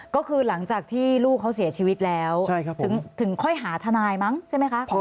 ก็คือหลังจากที่ลูกเขาเสียชีวิตแล้วถึงค่อยหาทนายมั้งใช่ไหมคะ